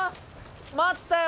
待ったよ。